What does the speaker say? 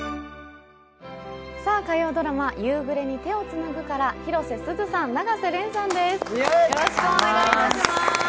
さあ、火曜ドラマ「夕暮れに、手をつなぐ」から広瀬すずさん、永瀬廉さんです。